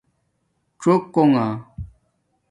څݸکݸنݣ